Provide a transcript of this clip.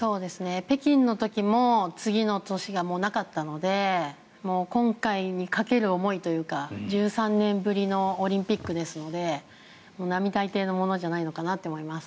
北京の時も次の年がもうなかったので今回にかける思いというか１３年ぶりのオリンピックですので並大抵のものじゃないのかなと思います。